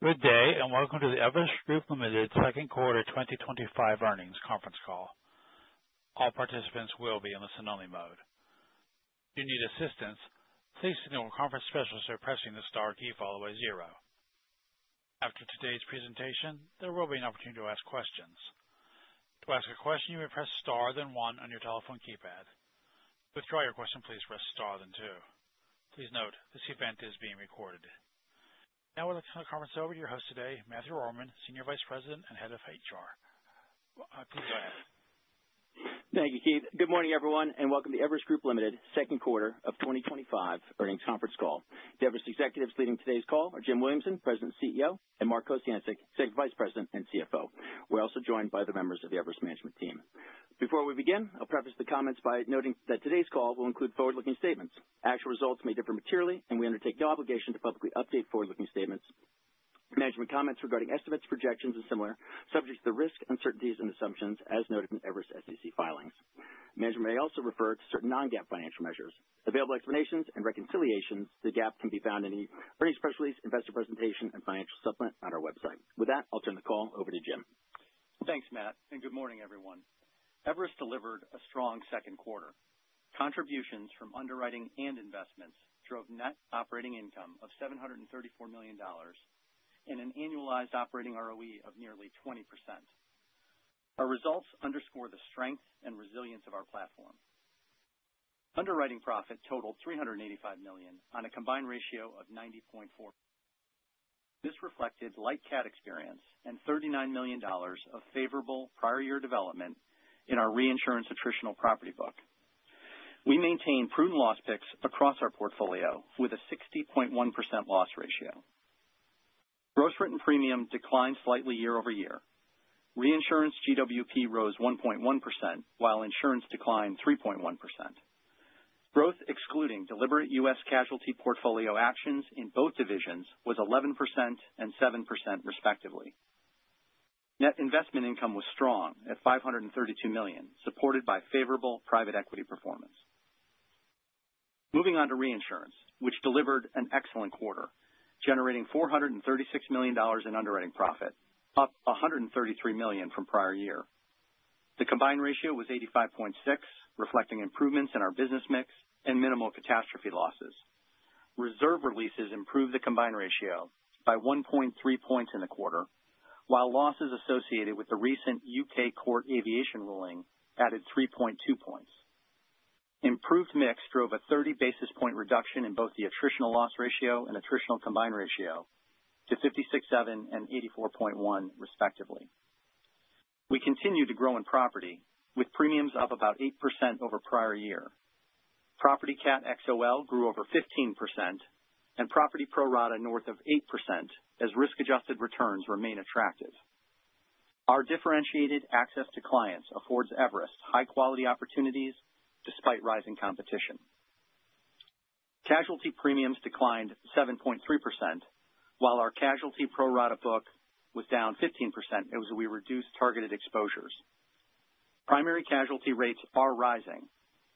Good day and welcome to the Everest Group, Ltd., second quarter 2025 earnings conference call. All participants will be in listen-only mode. If you need assistance, please signal a conference specialist by pressing the star key followed by zero. After today's presentation, there will be an opportunity to ask questions. To ask a question, you may press star then one on your telephone keypad. To withdraw your question, please press star then two. Please note this event is being recorded. Now we'll turn the conference over to your host today, Matthew Rohrmann, Senior Vice President and Head of HR. Please go ahead. Thank you, Keith. Good morning, everyone, and welcome to Everest Group, Ltd., second quarter of 2025 earnings conference call. The Everest executives leading today's call are Jim Williamson, President and CEO, and Mark Kociancic, Executive Vice President and CFO. We're also joined by other members of the Everest management team. Before we begin, I'll preface the comments by noting that today's call will include forward-looking statements. Actual results may differ materially, and we undertake no obligation to publicly update forward-looking statements. Management comments regarding estimates, projections, and similar are subject to the risks, uncertainties, and assumptions as noted in Everest SEC filings. Management may also refer to certain non-GAAP financial measures. Available explanations and reconciliations to the GAAP can be found in the earnings press release, investor presentation, and financial supplement on our website. With that, I'll turn the call over to Jim. Thanks, Matt, and good morning, everyone. Everest delivered a strong second quarter. Contributions from underwriting and investments drove net operating income of $734 million and an annualized operating ROE of nearly 20%. Our results underscore the strength and resilience of our platform. Underwriting profit totaled $385 million on a combined ratio of 90.4%. This reflected light CAT experience and $39 million of favorable prior-year development in our reinsurance attritional property book. We maintain prudent loss picks across our portfolio with a 60.1% loss ratio. Gross written premium declined slightly year over year. Reinsurance GWP rose 1.1% while insurance declined 3.1%. Growth, excluding deliberate U.S. casualty portfolio actions in both divisions, was 11% and 7%, respectively. Net investment income was strong at $532 million, supported by favorable private equity performance. Moving on to reinsurance, which delivered an excellent quarter, generating $436 million in underwriting profit, up $133 million from prior year. The combined ratio was 85.6%, reflecting improvements in our business mix and minimal catastrophe losses. Reserve releases improved the combined ratio by 1.3 points in the quarter, while losses associated with the recent U.K., court aviation ruling added 3.2 points. Improved mix drove a 30 basis point reduction in both the attritional loss ratio and attritional combined ratio to 56.7% and 84.1%, respectively. We continue to grow in property, with premiums up about 8% over prior year. Property CAT XOL grew over 15%, and property pro rata north of 8% as risk-adjusted returns remain attractive. Our differentiated access to clients affords Everest high-quality opportunities despite rising competition. Casualty premiums declined 7.3%, while our casualty pro rata book was down 15% as we reduced targeted exposures. Primary casualty rates are rising,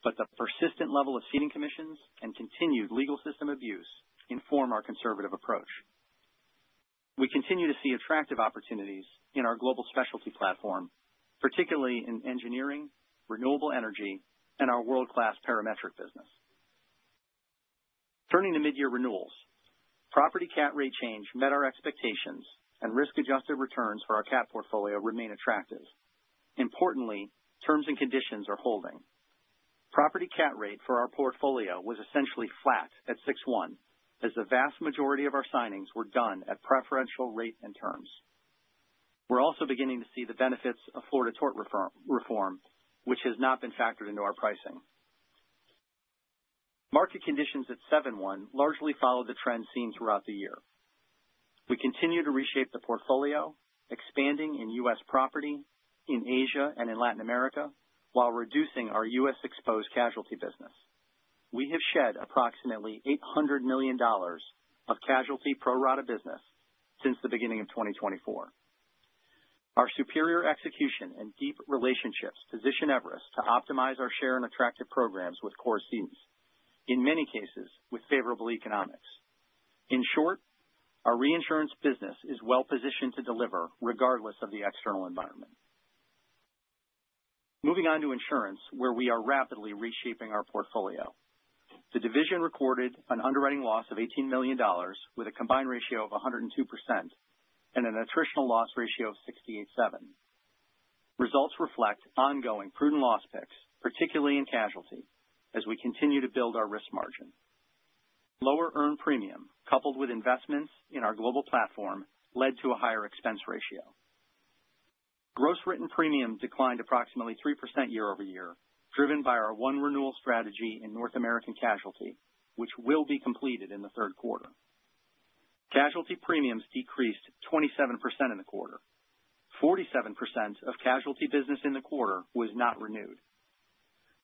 but the persistent level of ceding commissions and continued legal system abuse inform our conservative approach. We continue to see attractive opportunities in our global specialty platform, particularly in engineering, renewable energy, and our world-class parametric business. Turning to mid-year renewals, property CAT rate change met our expectations, and risk-adjusted returns for our CAT portfolio remain attractive. Importantly, terms and conditions are holding. Property CAT rate for our portfolio was essentially flat at 6.1%, as the vast majority of our signings were done at preferential rate and terms. We're also beginning to see the benefits of Florida tort reform, which has not been factored into our pricing. Market conditions at 7.1% largely followed the trend seen throughout the year. We continue to reshape the portfolio, expanding in U.S. property, in Asia, and in Latin America, while reducing our U.S. exposed casualty business. We have shed approximately $800 million of casualty pro rata business since the beginning of 2024. Our superior execution and deep relationships position Everest to optimize our share in attractive programs with core seats, in many cases with favorable economics. In short, our reinsurance business is well-positioned to deliver regardless of the external environment. Moving on to insurance, where we are rapidly reshaping our portfolio. The division recorded an underwriting loss of $18 million with a combined ratio of 102% and an attritional loss ratio of 68.7%. Results reflect ongoing prudent loss picks, particularly in casualty, as we continue to build our risk margin. Lower earned premium, coupled with investments in our global platform, led to a higher expense ratio. Gross written premium declined approximately 3% year over year, driven by our one-renewal strategy in North American casualty, which will be completed in the third quarter. Casualty premiums decreased 27% in the quarter. 47% of casualty business in the quarter was not renewed.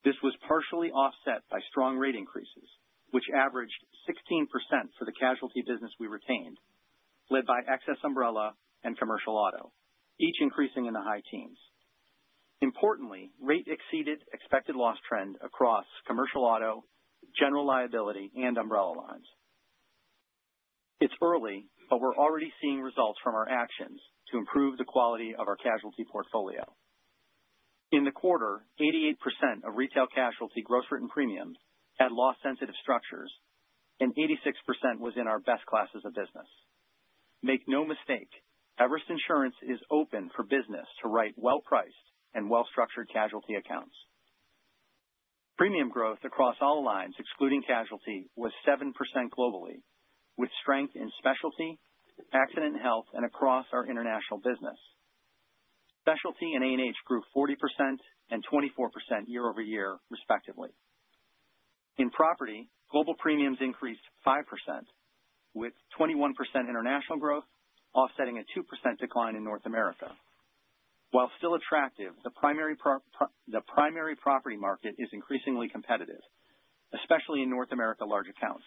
This was partially offset by strong rate increases, which averaged 16% for the casualty business we retained, led by Excess Umbrella and Commercial Auto, each increasing in the high teens. Importantly, rate exceeded expected loss trend across Commercial Auto, General Liability, and Umbrella lines. It's early, but we're already seeing results from our actions to improve the quality of our casualty portfolio. In the quarter, 88% of retail casualty gross written premium had loss-sensitive structures, and 86% was in our best classes of business. Make no mistake, Everest Insurance is open for business to write well-priced and well-structured casualty accounts. Premium growth across all lines, excluding casualty, was 7% globally, with strength in specialty, accident health, and across our international business. Specialty and A&H grew 40% and 24% year over year, respectively. In property, global premiums increased 5%. With 21% international growth, offsetting a 2% decline in North America. While still attractive, the primary property market is increasingly competitive, especially in North America large accounts.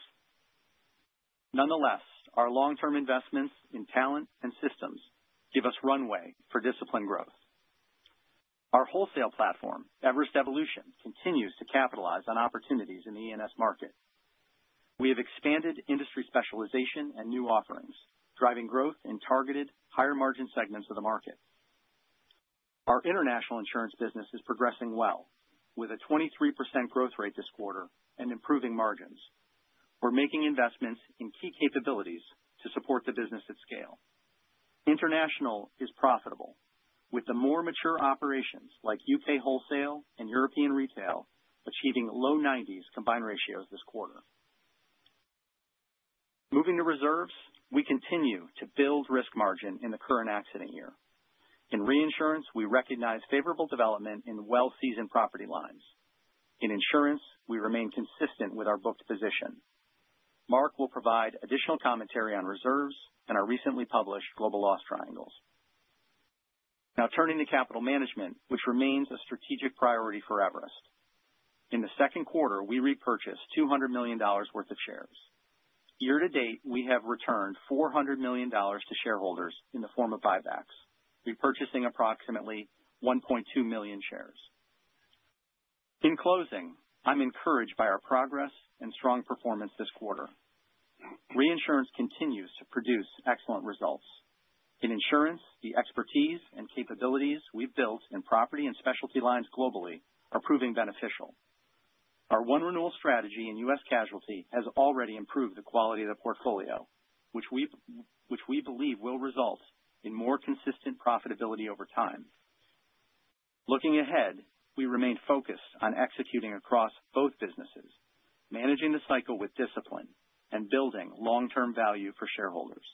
Nonetheless, our long-term investments in talent and systems give us runway for discipline growth. Our wholesale platform, Everest Evolution, continues to capitalize on opportunities in the E&S market. We have expanded industry specialization and new offerings, driving growth in targeted, higher-margin segments of the market. Our international insurance business is progressing well, with a 23% growth rate this quarter and improving margins. We're making investments in key capabilities to support the business at scale. International is profitable, with the more mature operations like U.K. wholesale and European retail achieving low 90s combined ratios this quarter. Moving to reserves, we continue to build risk margin in the current accident year. In reinsurance, we recognize favorable development in well-seasoned property lines. In insurance, we remain consistent with our booked position. Mark will provide additional commentary on reserves and our recently published global loss triangles. Now turning to capital management, which remains a strategic priority for Everest. In the second quarter, we repurchased $200 million worth of shares. Year to date, we have returned $400 million to shareholders in the form of buybacks, repurchasing approximately 1.2 million shares. In closing, I'm encouraged by our progress and strong performance this quarter. Reinsurance continues to produce excellent results. In insurance, the expertise and capabilities we've built in property and specialty lines globally are proving beneficial. Our one-renewal strategy in U.S. casualty has already improved the quality of the portfolio, which we believe will result in more consistent profitability over time. Looking ahead, we remain focused on executing across both businesses, managing the cycle with discipline, and building long-term value for shareholders.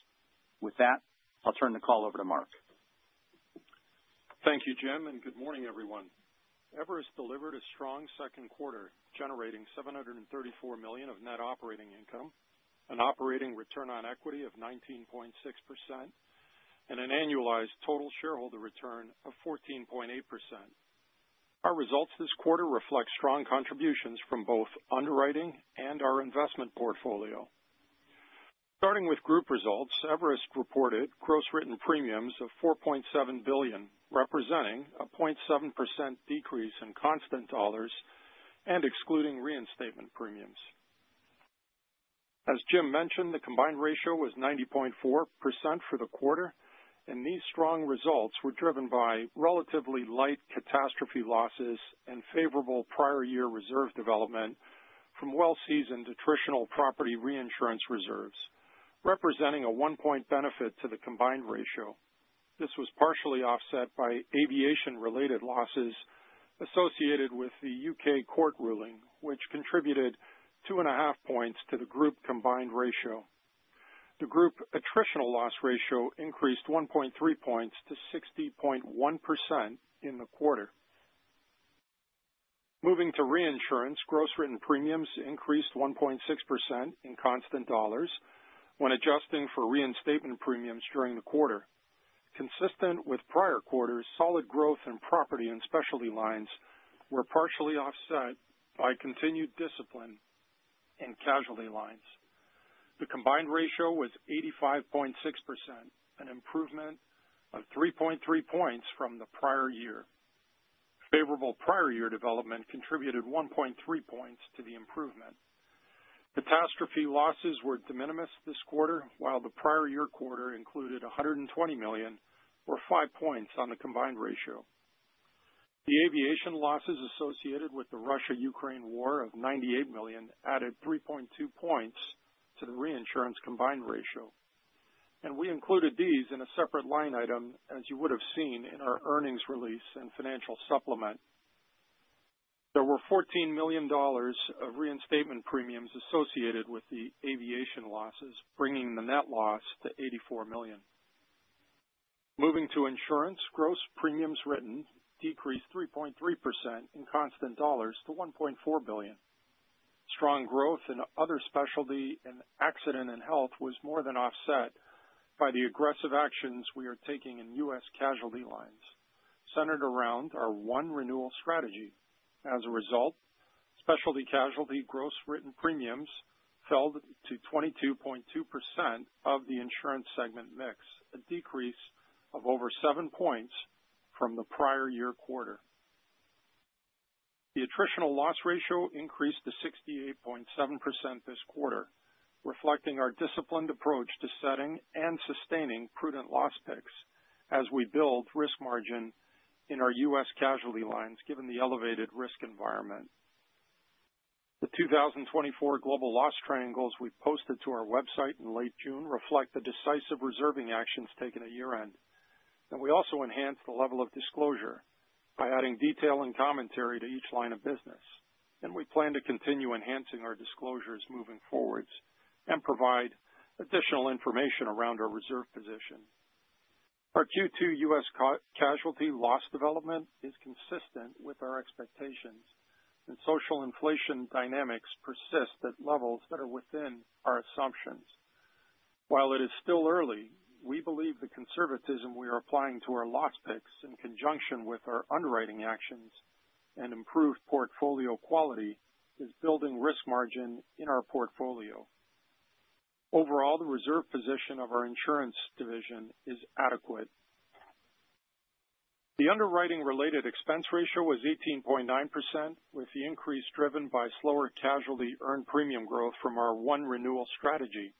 With that, I'll turn the call over to Mark. Thank you, Jim, and good morning, everyone. Everest delivered a strong second quarter, generating $734 million of net operating income, an operating return on equity of 19.6%, and an annualized total shareholder return of 14.8%. Our results this quarter reflect strong contributions from both underwriting and our investment portfolio. Starting with group results, Everest reported gross written premiums of $4.7 billion, representing a 0.7% decrease in constant dollars and excluding reinstatement premiums. As Jim mentioned, the combined ratio was 90.4% for the quarter, and these strong results were driven by relatively light catastrophe losses and favorable prior-year reserve development from well-seasoned attritional property reinsurance reserves, representing a one-point benefit to the combined ratio. This was partially offset by aviation-related losses associated with the U.K. court ruling, which contributed 2.5 points to the group combined ratio. The group attritional loss ratio increased 1.3 points to 60.1% in the quarter. Moving to reinsurance, gross written premiums increased 1.6% in constant dollars when adjusting for reinstatement premiums during the quarter. Consistent with prior quarters, solid growth in property and specialty lines was partially offset by continued discipline in casualty lines. The combined ratio was 85.6%, an improvement of 3.3 points from the prior year. Favorable prior-year development contributed 1.3 points to the improvement. Catastrophe losses were de minimis this quarter, while the prior-year quarter included $120 million, or 5 points on the combined ratio. The aviation losses associated with the Russia-Ukraine war of $98 million added 3.2 points to the reinsurance combined ratio. We included these in a separate line item, as you would have seen in our earnings release and financial supplement. There were $14 million of reinstatement premiums associated with the aviation losses, bringing the net loss to $84 million. Moving to insurance, gross premiums written decreased 3.3% in constant dollars to $1.4 billion. Strong growth in other specialty and accident and health was more than offset by the aggressive actions we are taking in U.S. casualty lines, centered around our one-renewal strategy. As a result, specialty casualty gross written premiums fell to 22.2% of the insurance segment mix, a decrease of over 7 points from the prior-year quarter. The attritional loss ratio increased to 68.7% this quarter, reflecting our disciplined approach to setting and sustaining prudent loss picks as we build risk margin in our U.S. casualty lines, given the elevated risk environment. The 2024 global loss triangles we posted to our website in late June reflect the decisive reserving actions taken at year-end. We also enhanced the level of disclosure by adding detail and commentary to each line of business. We plan to continue enhancing our disclosures moving forward and provide additional information around our reserve position. Our Q2 U.S. casualty loss development is consistent with our expectations, and social inflation dynamics persist at levels that are within our assumptions. While it is still early, we believe the conservatism we are applying to our loss picks in conjunction with our underwriting actions and improved portfolio quality is building risk margin in our portfolio. Overall, the reserve position of our insurance division is adequate. The underwriting-related expense ratio was 18.9%, with the increase driven by slower casualty earned premium growth from our one-renewal strategy,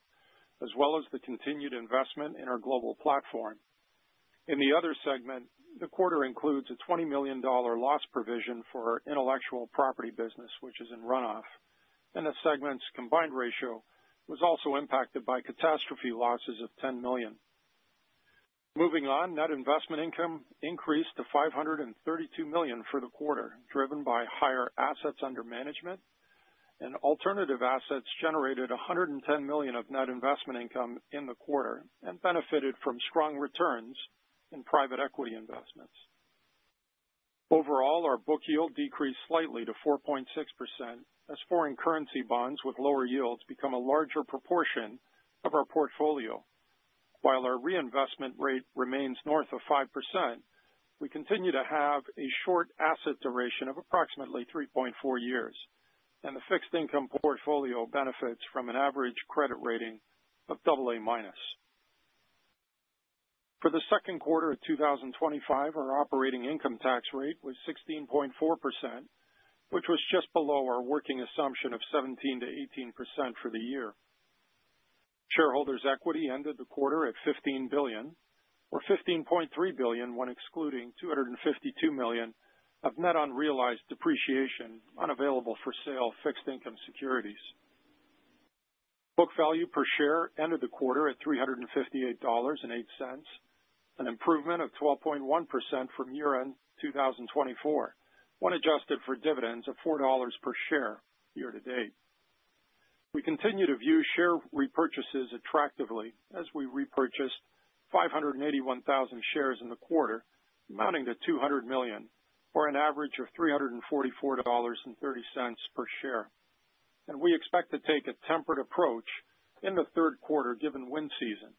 as well as the continued investment in our global platform. In the other segment, the quarter includes a $20 million loss provision for our intellectual property business, which is in runoff, and the segment's combined ratio was also impacted by catastrophe losses of $10 million. Moving on, net investment income increased to $532 million for the quarter, driven by higher assets under management. Alternative assets generated $110 million of net investment income in the quarter and benefited from strong returns in private equity investments. Overall, our book yield decreased slightly to 4.6% as foreign currency bonds with lower yields become a larger proportion of our portfolio. While our reinvestment rate remains north of 5%, we continue to have a short asset duration of approximately 3.4 years, and the fixed income portfolio benefits from an average credit rating of AA-. For the second quarter of 2025, our operating income tax rate was 16.4%, which was just below our working assumption of 17% to 18% for the year. Shareholders' equity ended the quarter at $15 billion, or $15.3 billion when excluding $252 million of net unrealized depreciation unavailable for sale fixed income securities. Book value per share ended the quarter at $358.08, an improvement of 12.1% from year-end 2024, when adjusted for dividends of $4 per share year to date. We continue to view share repurchases attractively as we repurchased 581,000 shares in the quarter, amounting to $200 million, or an average of $344.30 per share. We expect to take a tempered approach in the third quarter, given wind season.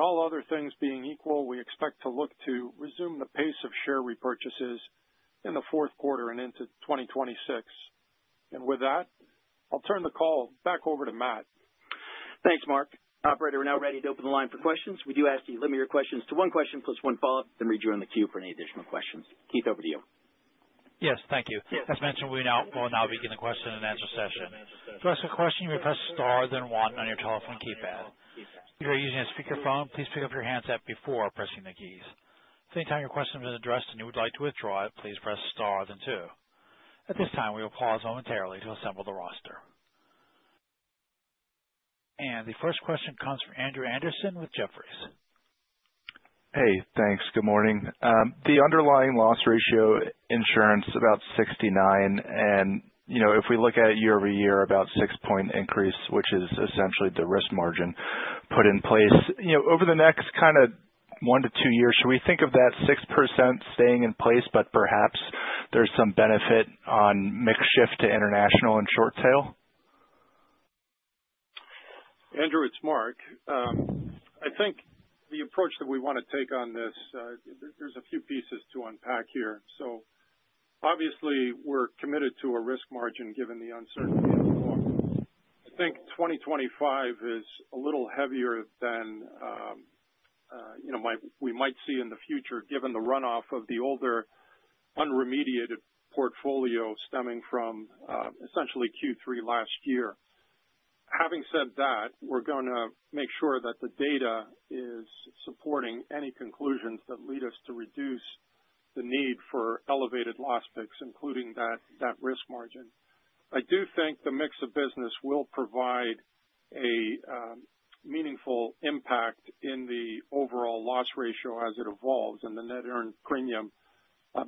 All other things being equal, we expect to look to resume the pace of share repurchases in the fourth quarter and into 2026. With that, I'll turn the call back over to Matt. Thanks, Mark. Operator, we're now ready to open the line for questions. We do ask that you limit your questions to one question plus one follow-up, then rejoin the queue for any additional questions. Keith, over to you. Yes, thank you. As mentioned, we will now begin the question and answer session. To ask a question, you may press star then one on your telephone keypad. If you are using a speakerphone, please pick up your handset before pressing the keys. If at any time your question has been addressed and you would like to withdraw it, please press star then two. At this time, we will pause momentarily to assemble the roster. The first question comes from Andrew Andersen with Jefferies. Hey, thanks. Good morning. The underlying loss ratio insurance is about 69%, and if we look at it year over year, about a 6-point increase, which is essentially the risk margin put in place. Over the next kind of one to two years, should we think of that 6% staying in place, but perhaps there's some benefit on mix shift to international and short-tail? Andrew, it's Mark. I think the approach that we want to take on this, there's a few pieces to unpack here. Obviously, we're committed to a risk margin given the uncertainty of the market. I think 2025 is a little heavier than we might see in the future, given the runoff of the older unremediated portfolio stemming from essentially Q3 last year. Having said that, we're going to make sure that the data is supporting any conclusions that lead us to reduce the need for elevated loss picks, including that risk margin. I do think the mix of business will provide a meaningful impact in the overall loss ratio as it evolves and the net earned premium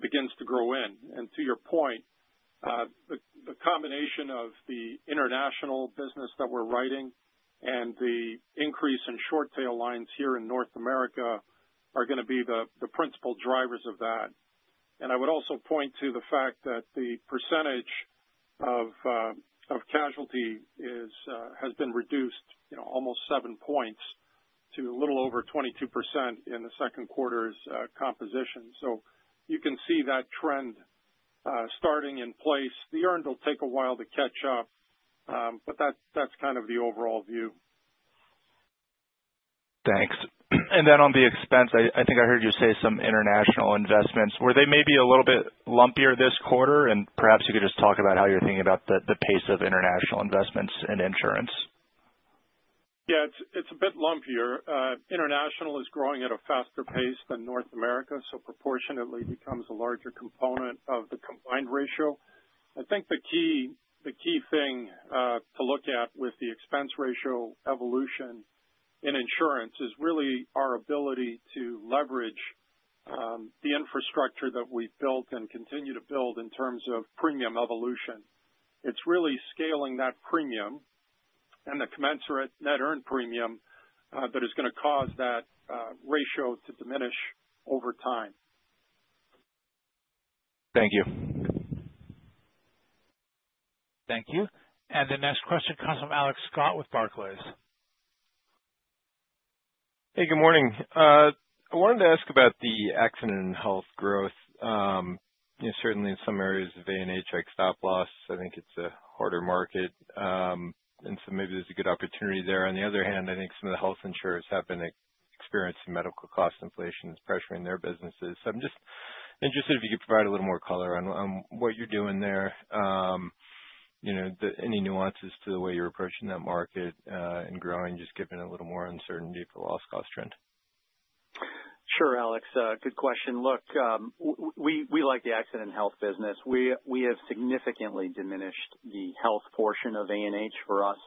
begins to grow in. To your point, the combination of the international business that we're writing and the increase in short-tail lines here in North America are going to be the principal drivers of that. I would also point to the fact that the percentage of casualty has been reduced almost 7 points to a little over 22% in the second quarter's composition. You can see that trend starting in place. The earned will take a while to catch up, but that's kind of the overall view. Thanks. I think I heard you say some international investments. Were they maybe a little bit lumpier this quarter? Perhaps you could just talk about how you're thinking about the pace of international investments in insurance? Yeah, it's a bit lumpier. International is growing at a faster pace than North America, so proportionately becomes a larger component of the combined ratio. I think the key thing to look at with the expense ratio evolution in insurance is really our ability to leverage the infrastructure that we've built and continue to build in terms of premium evolution. It's really scaling that premium and the commensurate net earned premium that is going to cause that ratio to diminish over time. Thank you. Thank you. The next question comes from Alex Scott with Barclays. Hey, good morning. I wanted to ask about the accident and health growth. Certainly, in some areas of A&H, like stop loss, I think it's a harder market, and there's a good opportunity there. On the other hand, I think some of the health insurers have been experiencing medical cost inflation that's pressuring their businesses. I'm just interested if you could provide a little more color on what you're doing there. Any nuances to the way you're approaching that market and growing, just given a little more uncertainty for the loss cost trend? Sure, Alex. Good question. Look. We like the accident and health business. We have significantly diminished the health portion of A&H for us.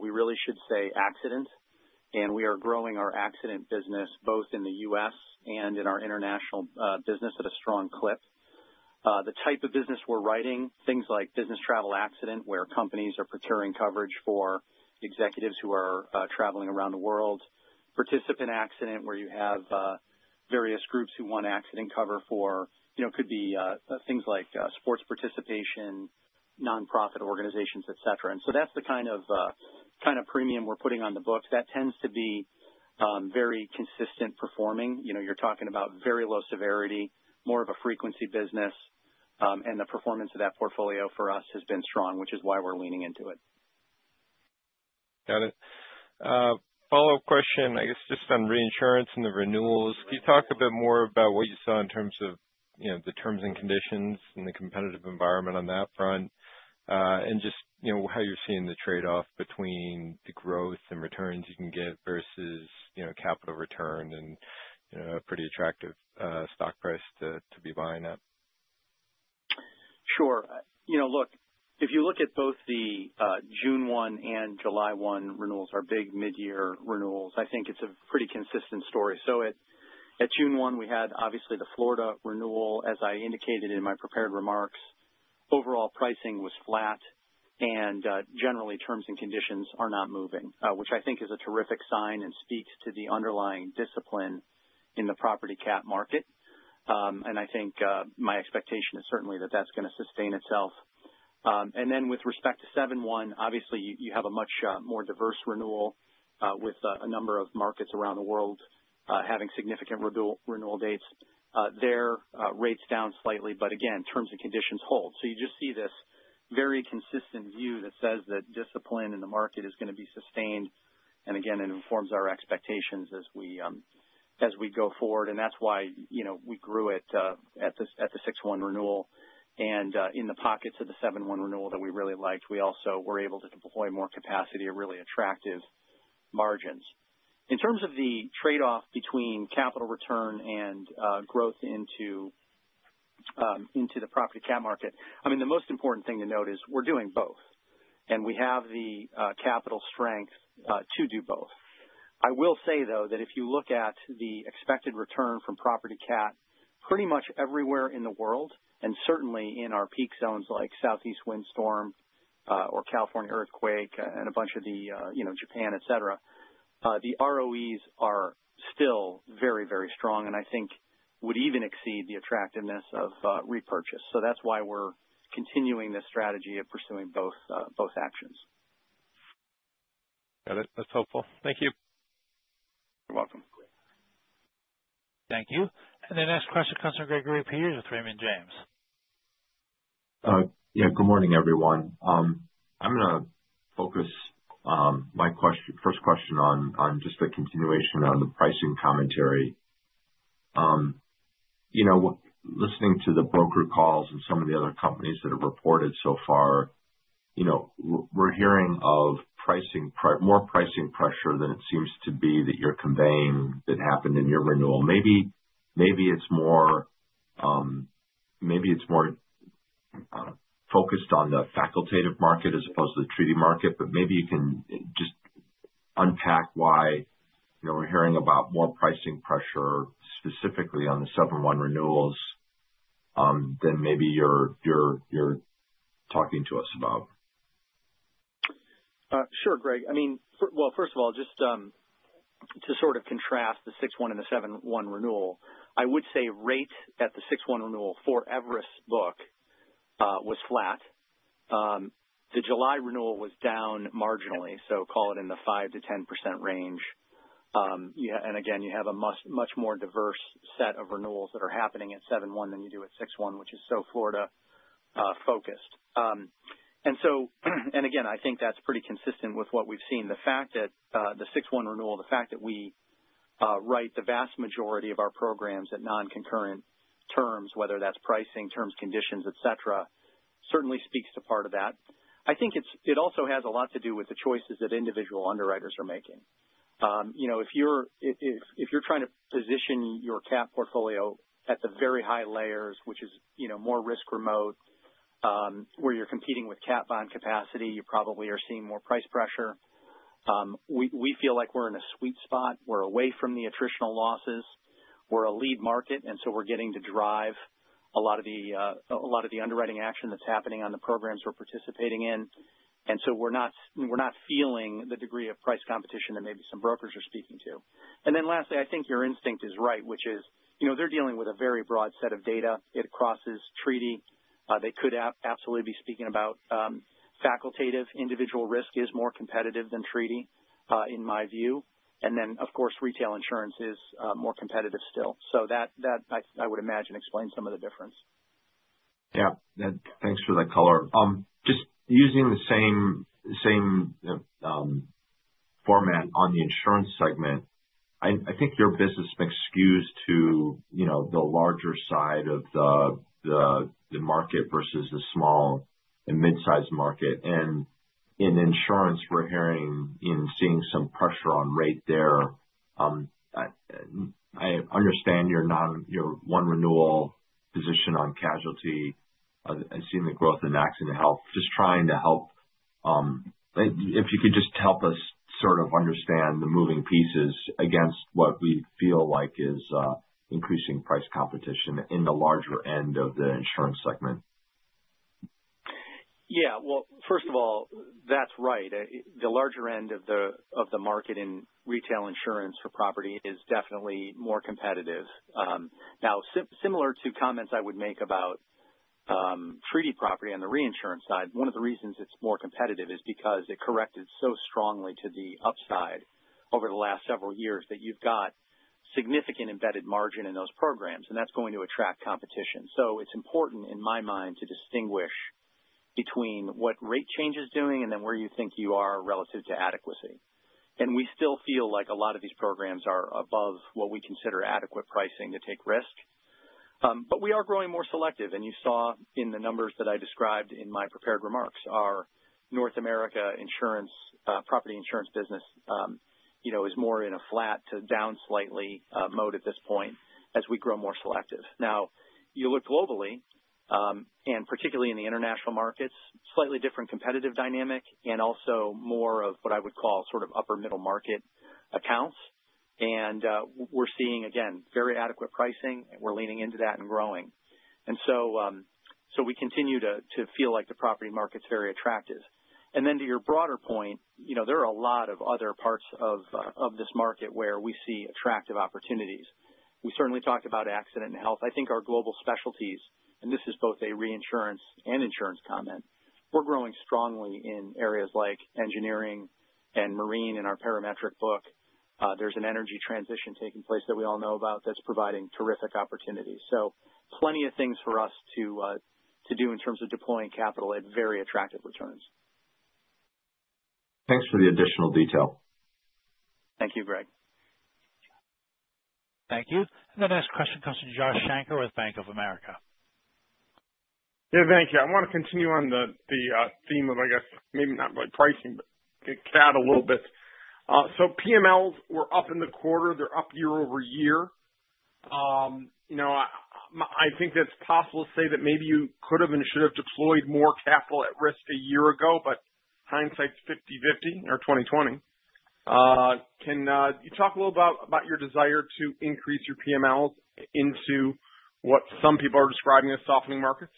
We really should say accident. We are growing our accident business both in the U.S. and in our international business at a strong clip. The type of business we're writing, things like business travel accident, where companies are procuring coverage for executives who are traveling around the world. Participant accident, where you have various groups who want accident cover for, could be things like sports participation, nonprofit organizations, etc. That's the kind of premium we're putting on the books that tends to be very consistent performing. You're talking about very low severity, more of a frequency business. The performance of that portfolio for us has been strong, which is why we're leaning into it. Got it. Follow-up question, I guess, just on reinsurance and the renewals. Can you talk a bit more about what you saw in terms of the terms and conditions and the competitive environment on that front? Just how you're seeing the trade-off between the growth and returns you can get versus capital return and a pretty attractive stock price to be buying at? Sure. If you look at both the June 1 and July 1 renewals, our big mid-year renewals, I think it's a pretty consistent story. At June 1, we had obviously the Florida renewal. As I indicated in my prepared remarks, overall pricing was flat, and generally, terms and conditions are not moving, which I think is a terrific sign and speaks to the underlying discipline in the property CAT market. My expectation is certainly that that's going to sustain itself. With respect to 7/1, you have a much more diverse renewal with a number of markets around the world having significant renewal dates. There, rates down slightly, but again, terms and conditions hold. You just see this very consistent view that says that discipline in the market is going to be sustained. It informs our expectations as we go forward. That's why we grew it at the 6/1 renewal, and in the pockets of the 7/1 renewal that we really liked, we also were able to deploy more capacity at really attractive margins. In terms of the trade-off between capital return and growth into the property CAT market, the most important thing to note is we're doing both. We have the capital strength to do both. I will say, though, that if you look at the expected return from property CAT, pretty much everywhere in the world, and certainly in our peak zones like Southeast Windstorm or California earthquake and a bunch of the Japan, etc., the ROEs are still very, very strong and I think would even exceed the attractiveness of repurchase. That's why we're continuing this strategy of pursuing both actions. Got it. That's helpful. Thank you. You're welcome. Thank you. The next question comes from Gregory Peters with Raymond James. Good morning, everyone. I'm going to focus my first question on just the continuation on the pricing commentary. Listening to the broker calls and some of the other companies that have reported so far, we're hearing of more pricing pressure than it seems to be that you're conveying that happened in your renewal. Maybe it's more focused on the facultative market as opposed to the treaty market, but maybe you can just unpack why we're hearing about more pricing pressure specifically on the 7/1 renewals than maybe you're talking to us about? Sure, Greg. First of all, to sort of contrast the 6/1 and the 7/1 renewal, I would say rates at the 6/1 renewal for Everest Book were flat. The July renewal was down marginally, so call it in the 5% to 10% range. Again, you have a much more diverse set of renewals that are happening at 7/1 than you do at 6/1, which is so Florida-focused. I think that's pretty consistent with what we've seen. The fact that the 6/1 renewal, the fact that we write the vast majority of our programs at non-concurrent terms, whether that's pricing, terms, conditions, etc., certainly speaks to part of that. I think it also has a lot to do with the choices that individual underwriters are making. If you're trying to position your CAT portfolio at the very high layers, which is more risk remote, where you're competing with CAT bond capacity, you probably are seeing more price pressure. We feel like we're in a sweet spot. We're away from the attritional losses. We're a lead market, and so we're getting to drive a lot of the underwriting action that's happening on the programs we're participating in. We're not feeling the degree of price competition that maybe some brokers are speaking to. Lastly, I think your instinct is right, which is they're dealing with a very broad set of data. It crosses treaty. They could absolutely be speaking about facultative. Individual risk is more competitive than treaty, in my view. Of course, retail insurance is more competitive still. That, I would imagine, explains some of the difference. Thanks for the color. Using the same format on the insurance segment, I think your business makes excuse to the larger side of the market versus the small and mid-sized market. In insurance, we're hearing and seeing some pressure on rate there. I understand your one renewal position on casualty. I've seen the growth in accident health, just trying to help. If you could just help us sort of understand the moving pieces against what we feel like is increasing price competition in the larger end of the insurance segment? Yeah. First of all, that's right. The larger end of the market in retail insurance for property is definitely more competitive. Similar to comments I would make about treaty property on the reinsurance side, one of the reasons it's more competitive is because it corrected so strongly to the upside over the last several years that you've got significant embedded margin in those programs, and that's going to attract competition. It's important, in my mind, to distinguish between what rate change is doing and then where you think you are relative to adequacy. We still feel like a lot of these programs are above what we consider adequate pricing to take risk. We are growing more selective, and you saw in the numbers that I described in my prepared remarks, our North America property insurance business is more in a flat to down slightly mode at this point as we grow more selective. You look globally, and particularly in the international markets, slightly different competitive dynamic and also more of what I would call sort of upper middle market accounts. We're seeing, again, very adequate pricing, and we're leaning into that and growing. We continue to feel like the property market's very attractive. To your broader point, there are a lot of other parts of this market where we see attractive opportunities. We certainly talked about accident and health. I think our global specialties, and this is both a reinsurance and insurance comment, we're growing strongly in areas like engineering and marine. In our parametric book, there's an energy transition taking place that we all know about that's providing terrific opportunities. Plenty of things for us to do in terms of deploying capital at very attractive returns. Thanks for the additional detail. Thank you, Greg. Thank you. The next question comes from Josh Shanker with Bank of America. Thank you. I want to continue on the theme of, I guess, maybe not really pricing, but got cut out a little bit. PMLs were up in the quarter. They're up year over year. I think it's possible to say that maybe you could have and should have deployed more capital at risk a year ago, but hindsight's 20/20. Can you talk a little about your desire to increase your PMLs into what some people are describing as softening markets?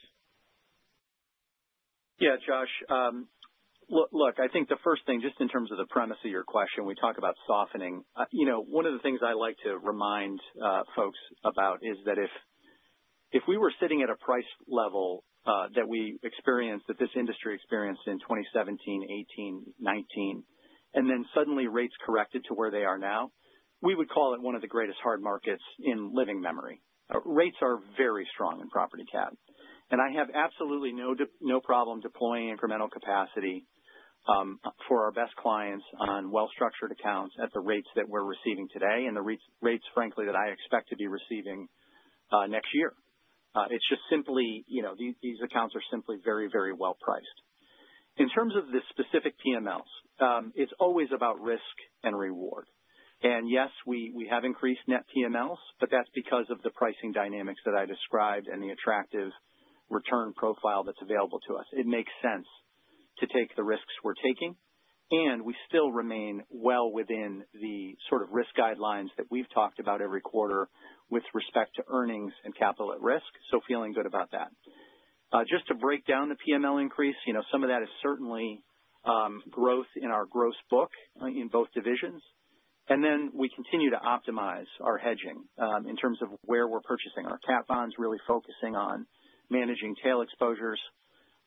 Yeah, Josh. Look, I think the first thing, just in terms of the premise of your question, we talk about softening. One of the things I like to remind folks about is that if we were sitting at a price level that we experienced, that this industry experienced in 2017, 2018, 2019, and then suddenly rates corrected to where they are now, we would call it one of the greatest hard markets in living memory. Rates are very strong in property cap, and I have absolutely no problem deploying incremental capacity for our best clients on well-structured accounts at the rates that we're receiving today and the rates, frankly, that I expect to be receiving next year. It's just simply these accounts are simply very, very well priced. In terms of the specific PMLs, it's always about risk and reward. Yes, we have increased net PMLs, but that's because of the pricing dynamics that I described and the attractive return profile that's available to us. It makes sense to take the risks we're taking. We still remain well within the sort of risk guidelines that we've talked about every quarter with respect to earnings and capital at risk. Feeling good about that. Just to break down the PML increase, some of that is certainly growth in our gross book in both divisions. We continue to optimize our hedging in terms of where we're purchasing our cap bonds, really focusing on managing tail exposures,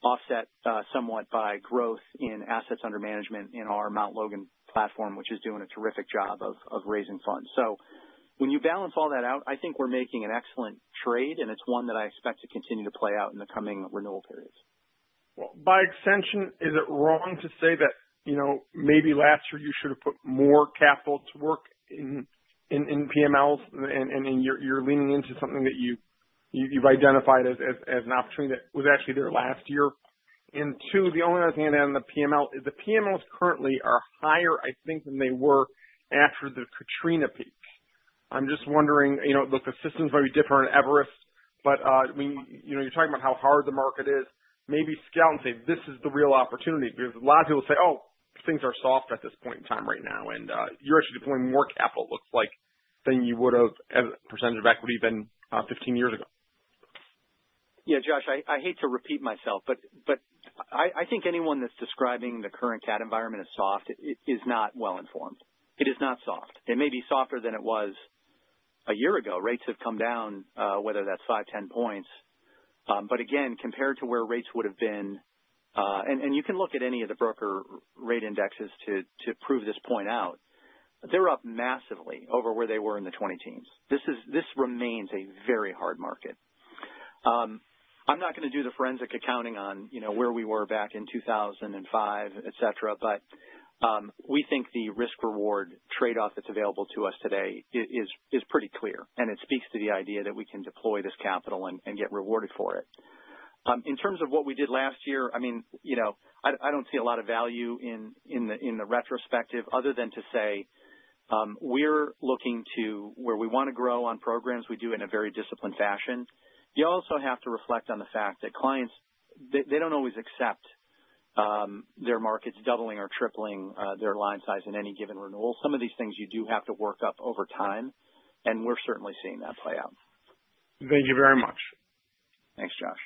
offset somewhat by growth in assets under management in our Mount Logan platform, which is doing a terrific job of raising funds. When you balance all that out, I think we're making an excellent trade, and it's one that I expect to continue to play out in the coming renewal periods. By extension, is it wrong to say that maybe last year you should have put more capital to work in PMLs and you're leaning into something that you've identified as an opportunity that was actually there last year? The only other thing I'd add on the PML is the PMLs currently are higher, I think, than they were after the Katrina peak. I'm just wondering, look, the system's very different in Everest, but you're talking about how hard the market is. Maybe scale and say, "This is the real opportunity," because a lot of people say, "Oh, things are soft at this point in time right now." You're actually deploying more capital, it looks like, than you would have as a percentage of equity than 15 years ago. Yeah, Josh, I hate to repeat myself, but I think anyone that's describing the current CAT environment as soft is not well informed. It is not soft. It may be softer than it was a year ago. Rates have come down, whether that's 5%, 10%. Again, compared to where rates would have been, and you can look at any of the broker rate indexes to prove this point out, they're up massively over where they were in the 2010s. This remains a very hard market. I'm not going to do the forensic accounting on where we were back in 2005, but we think the risk-reward trade-off that's available to us today is pretty clear, and it speaks to the idea that we can deploy this capital and get rewarded for it. In terms of what we did last year, I don't see a lot of value in the retrospective other than to say we're looking to where we want to grow on programs we do in a very disciplined fashion. You also have to reflect on the fact that clients don't always accept their markets doubling or tripling their line size in any given renewal. Some of these things you do have to work up over time, and we're certainly seeing that play out. Thank you very much. Thanks, Josh.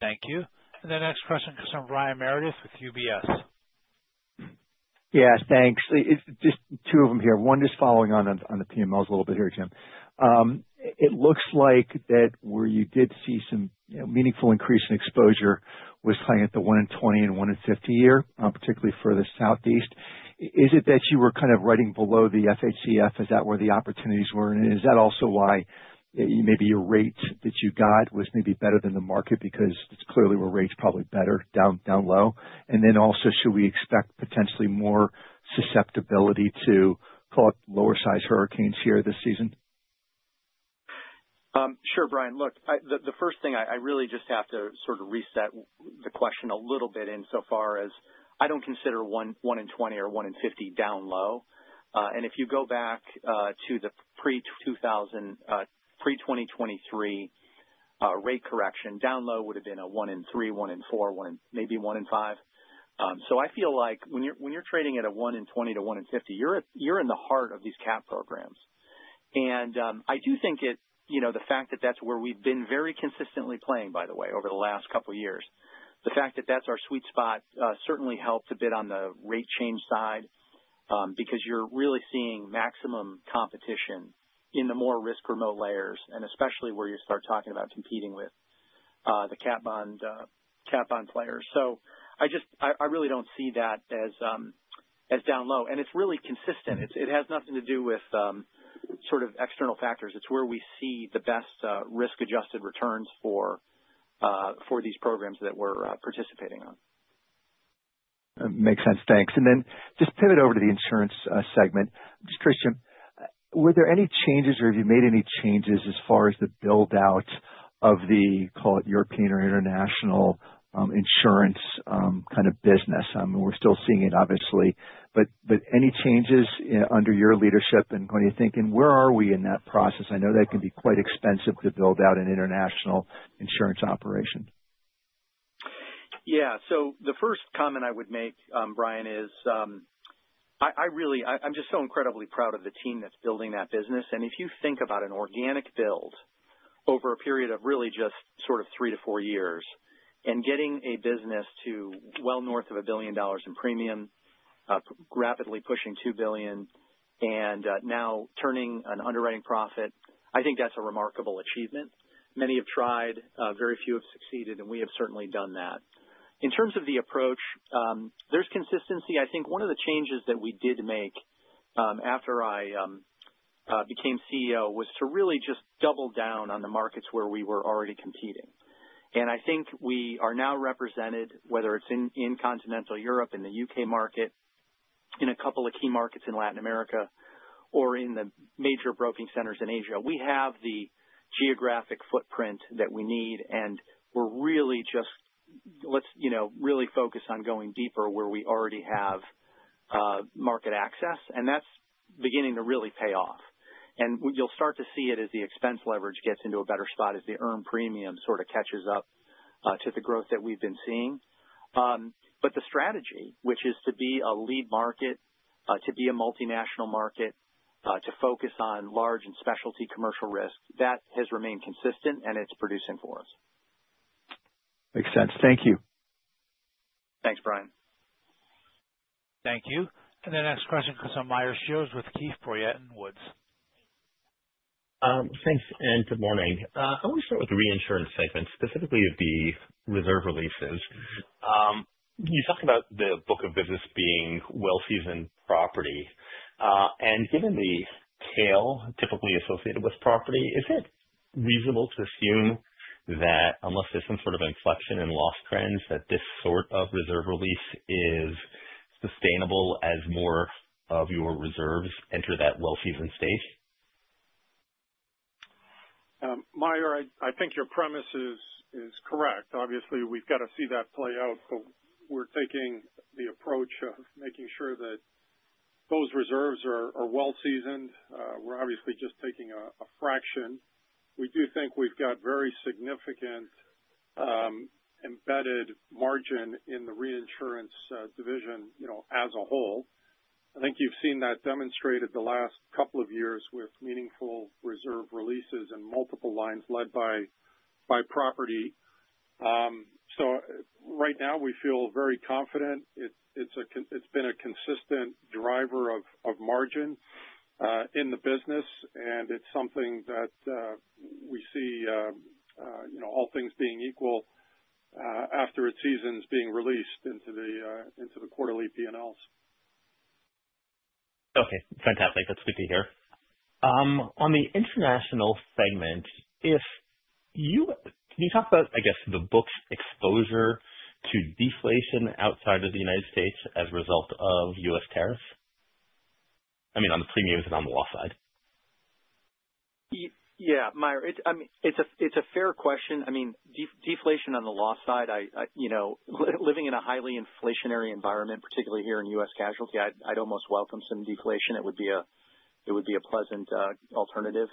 Thank you. The next question comes from Brian Meredith with UBS. Yes, thanks. Just two of them here. One just following on the PMLs a little bit here, Jim. It looks like that where you did see some meaningful increase in exposure was playing at the 1 in 20 and 1 in 50 year, particularly for the Southeast. Is it that you were kind of writing below the FHCF? Is that where the opportunities were? Is that also why maybe your rate that you got was maybe better than the market because it's clearly where rate's probably better down low? Also, should we expect potentially more susceptibility to, call it, lower-sized hurricanes here this season? Sure, Brian. Look, the first thing, I really just have to sort of reset the question a little bit in so far as I don't consider 1 in 20 or 1 in 50 down low. If you go back to the pre-2023 rate correction, down low would have been a 1 in 3, 1 in 4, maybe 1 in 5. I feel like when you're trading at a 1 in 20 to 1 in 50, you're in the heart of these CAT XOL programs. I do think the fact that that's where we've been very consistently playing, by the way, over the last couple of years, the fact that that's our sweet spot certainly helped a bit on the rate change side. You're really seeing maximum competition in the more risk-remote layers, especially where you start talking about competing with the CAT bond players. I really don't see that as down low. It's really consistent. It has nothing to do with sort of external factors. It's where we see the best risk-adjusted returns for these programs that we're participating on. Makes sense. Thanks. Just to pivot over to the insurance segment, were there any changes, or have you made any changes as far as the build-out of the, call it, European or international insurance kind of business? I mean, we're still seeing it, obviously, but any changes under your leadership and going to thinking, where are we in that process? I know that can be quite expensive to build out an international insurance operation. Yeah. The first comment I would make, Brian, is I'm just so incredibly proud of the team that's building that business. If you think about an organic build over a period of really just sort of three to four years and getting a business to well north of $1 billion in premium, rapidly pushing $2 billion, and now turning an underwriting profit, I think that's a remarkable achievement. Many have tried. Very few have succeeded, and we have certainly done that. In terms of the approach, there's consistency. I think one of the changes that we did make after I became CEO was to really just double down on the markets where we were already competing. I think we are now represented, whether it's in continental Europe, in the U.K. market, in a couple of key markets in Latin America, or in the major broking centers in Asia. We have the geographic footprint that we need, and we're really just really focused on going deeper where we already have market access. That's beginning to really pay off. You'll start to see it as the expense leverage gets into a better spot as the earned premium sort of catches up to the growth that we've been seeing. The strategy, which is to be a lead market, to be a multinational market, to focus on large and specialty commercial risk, has remained consistent, and it's producing for us. Makes sense. Thank you. Thanks, Brian. Thank you. The next question comes from Meyer Shields with Keefe, Bruyette & Woods. Thanks, and good morning. I want to start with the reinsurance segment, specifically the reserve releases. You talked about the book of business being well-seasoned property. Given the tail typically associated with property, is it reasonable to assume that unless there's some sort of inflection in loss trends, this sort of reserve release is sustainable as more of your reserves enter that well-seasoned stage? Meyer, I think your premise is correct. Obviously, we've got to see that play out, but we're taking the approach of making sure that those reserves are well-seasoned. We're obviously just taking a fraction. We do think we've got very significant embedded margin in the reinsurance division as a whole. I think you've seen that demonstrated the last couple of years with meaningful reserve releases and multiple lines led by property. Right now, we feel very confident. It's been a consistent driver of margin in the business, and it's something that we see, all things being equal, after it seasons being released into the quarterly P&Ls. Okay. Fantastic. That's good to hear. On the international segment, can you talk about, I guess, the book's exposure to deflation outside of the U.S. as a result of U.S. tariffs? I mean, on the premiums and on the loss side. Yeah, Meyer. I mean, it's a fair question. I mean, deflation on the loss side. Living in a highly inflationary environment, particularly here in U.S. casualty, I'd almost welcome some deflation. It would be a pleasant alternative.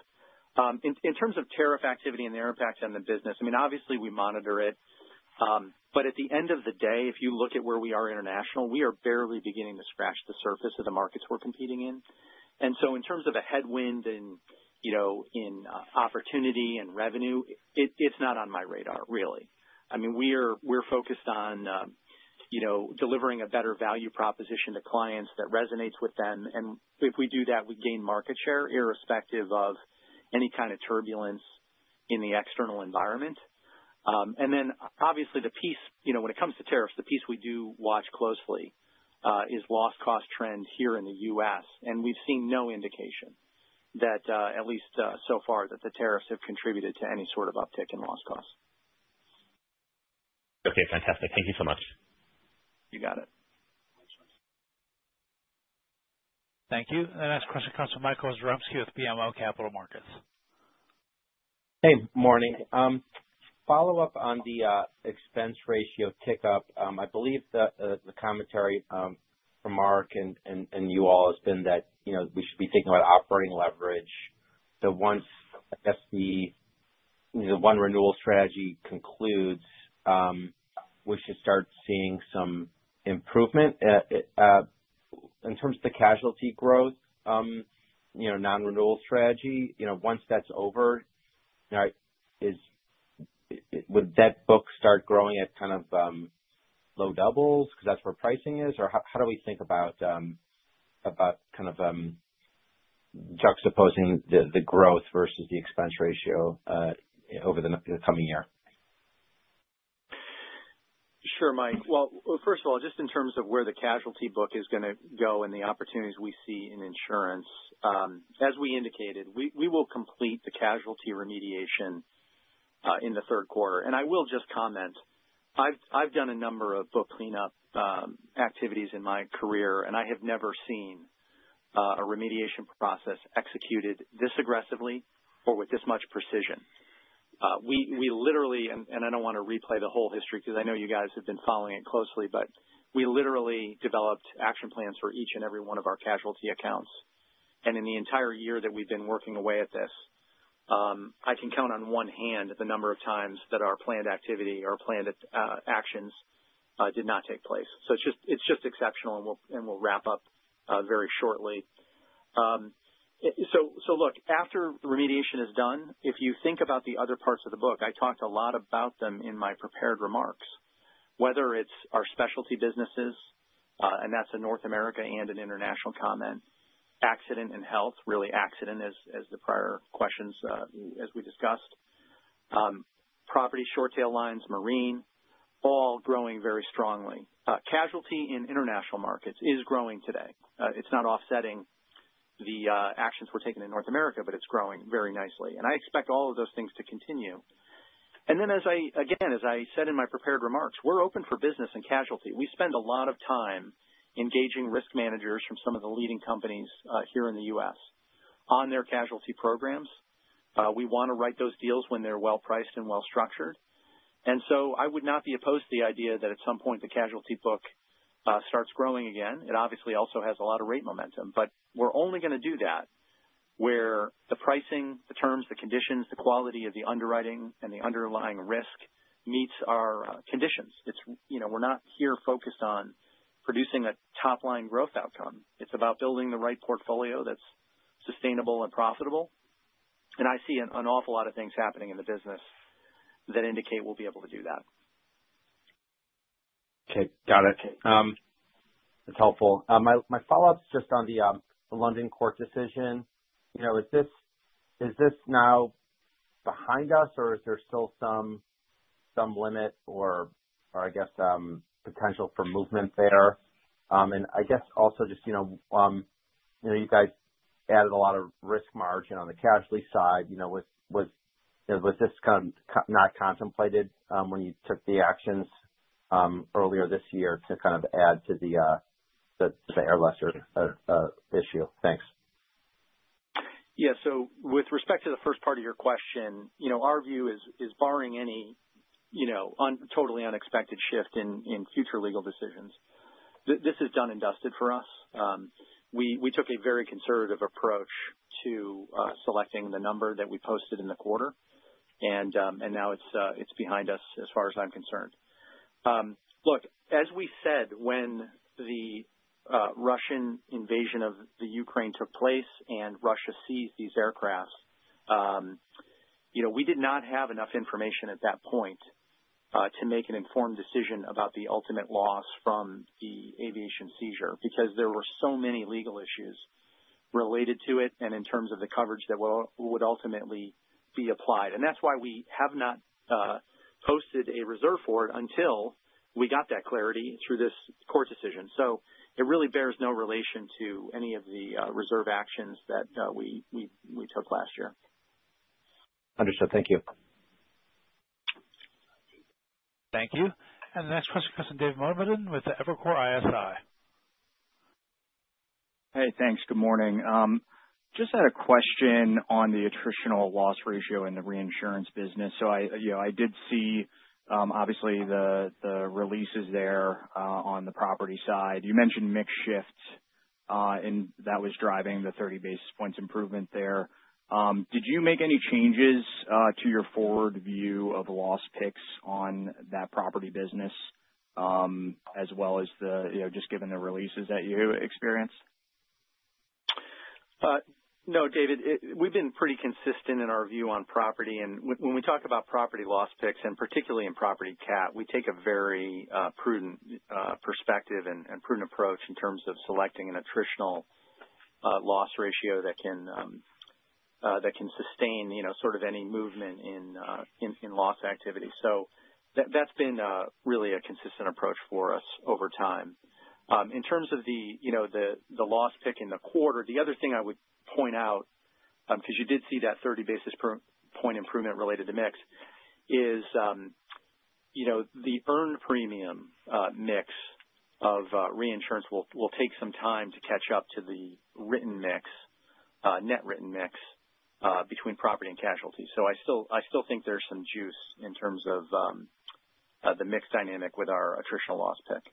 In terms of tariff activity and their impact on the business, I mean, obviously, we monitor it. At the end of the day, if you look at where we are internationally, we are barely beginning to scratch the surface of the markets we're competing in. In terms of a headwind in opportunity and revenue, it's not on my radar, really. I mean, we're focused on delivering a better value proposition to clients that resonates with them. If we do that, we gain market share irrespective of any kind of turbulence in the external environment. Obviously, when it comes to tariffs, the piece we do watch closely is loss cost trend here in the U.S. We've seen no indication that, at least so far, that the tariffs have contributed to any sort of uptick in loss costs. Okay. Fantastic. Thank you so much. You got it. Thank you. The next question comes from Michael Zaremski with BMO Capital Markets. Hey, morning. Follow-up on the expense ratio tick up. I believe the commentary from Mark and you all has been that we should be thinking about operating leverage. Once the one-renewal strategy concludes, we should start seeing some improvement. In terms of the casualty growth non-renewal strategy, once that's over, would that book start growing at kind of low doubles because that's where pricing is? How do we think about juxtaposing the growth versus the expense ratio over the coming year? Sure, Mike. First of all, just in terms of where the casualty book is going to go and the opportunities we see in insurance. As we indicated, we will complete the casualty remediation in the third quarter. I will just comment, I have done a number of book cleanup activities in my career, and I have never seen a remediation process executed this aggressively or with this much precision. We literally, and I do not want to replay the whole history because I know you guys have been following it closely, but we literally developed action plans for each and every one of our casualty accounts. In the entire year that we have been working away at this, I can count on one hand the number of times that our planned activity or planned actions did not take place. It is just exceptional, and we will wrap up very shortly. After the remediation is done, if you think about the other parts of the book, I talked a lot about them in my prepared remarks. Whether it is our specialty businesses, and that is a North America and an international comment, accident and health, really accident as the prior questions as we discussed, property short-tail lines, marine, all growing very strongly. Casualty in international markets is growing today. It is not offsetting the actions we are taking in North America, but it is growing very nicely. I expect all of those things to continue. As I said in my prepared remarks, we are open for business in casualty. We spend a lot of time engaging risk managers from some of the leading companies here in the U.S. on their casualty programs. We want to write those deals when they are well-priced and well-structured. I would not be opposed to the idea that at some point the casualty book starts growing again. It obviously also has a lot of rate momentum. We are only going to do that where the pricing, the terms, the conditions, the quality of the underwriting, and the underlying risk meet our conditions. We are not here focused on producing a top-line growth outcome. It is about building the right portfolio that is sustainable and profitable. I see an awful lot of things happening in the business that indicate we will be able to do that. Okay. Got it. That's helpful. My follow-up is just on the London Court decision. Is this now behind us, or is there still some limit or, I guess, potential for movement there? I guess also, you guys added a lot of risk margin on the casualty side. Was this kind of not contemplated when you took the actions earlier this year to kind of add to the air lesser issue? Thanks. Yeah. With respect to the first part of your question, our view is, barring any totally unexpected shift in future legal decisions, this is done and dusted for us. We took a very conservative approach to selecting the number that we posted in the quarter, and now it's behind us as far as I'm concerned. Look, as we said, when the Russian invasion of the Ukraine took place and Russia seized these aircraft, we did not have enough information at that point to make an informed decision about the ultimate loss from the aviation seizure because there were so many legal issues related to it and in terms of the coverage that would ultimately be applied. That's why we have not posted a reserve for it until we got that clarity through this court decision. It really bears no relation to any of the reserve actions that we took last year. Understood. Thank you. Thank you. The next question comes from David Motemaden with Evercore ISI. Hey, thanks. Good morning. Just had a question on the attritional loss ratio in the reinsurance business. I did see, obviously, the releases there on the property side. You mentioned mix shifts, and that was driving the 30 bps improvement there. Did you make any changes to your forward view of loss picks on that property business, as well as just given the releases that you experienced? No, David. We've been pretty consistent in our view on property. When we talk about property loss picks, and particularly in property CAT, we take a very prudent perspective and prudent approach in terms of selecting an attritional loss ratio that can sustain sort of any movement in loss activity. That's been really a consistent approach for us over time. In terms of the loss pick in the quarter, the other thing I would point out, because you did see that 30 bps improvement related to mix, is the earned premium mix of reinsurance will take some time to catch up to the net written mix between property and casualty. I still think there's some juice in terms of the mix dynamic with our attritional loss pick.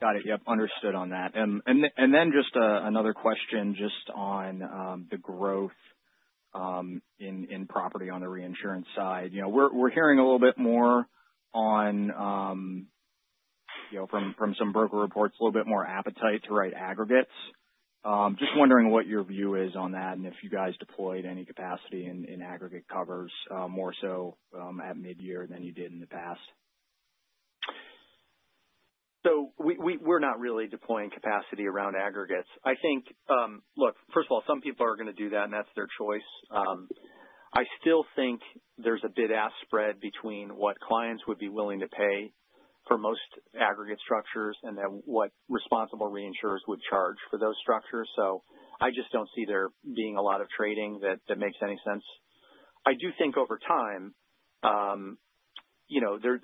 Got it. Yep. Understood on that. Just another question on the growth in property on the reinsurance side. We're hearing a little bit more from some broker reports, a little bit more appetite to write aggregates. Just wondering what your view is on that and if you guys deployed any capacity in aggregate covers more so at mid-year than you did in the past. We're not really deploying capacity around aggregates. First of all, some people are going to do that, and that's their choice. I still think there's a bid-ask spread between what clients would be willing to pay for most aggregate structures and what responsible reinsurers would charge for those structures. I just don't see there being a lot of trading that makes any sense. I do think over time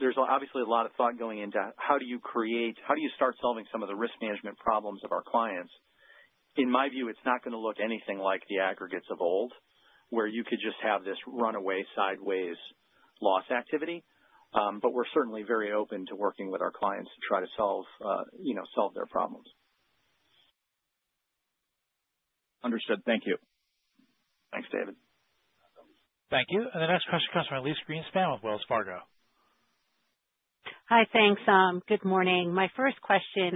there's obviously a lot of thought going into how do you create, how do you start solving some of the risk management problems of our clients. In my view, it's not going to look anything like the aggregates of old where you could just have this runaway sideways loss activity. We're certainly very open to working with our clients to try to solve their problems. Understood. Thank you. Thanks, David. Thank you. The next question comes from Elyse Greenspan with Wells Fargo. Hi, thanks. Good morning. My first question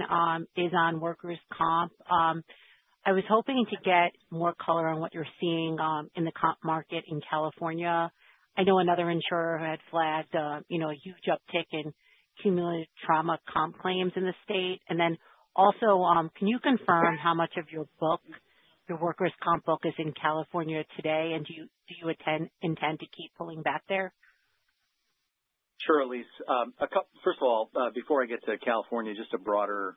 is on workers' comp. I was hoping to get more color on what you're seeing in the comp market in California. I know another insurer who had flagged a huge uptick in cumulative trauma comp claims in the state. Also, can you confirm how much of your workers' comp book is in California today, and do you intend to keep pulling back there? Sure, Elyse. First of all, before I get to California, just a broader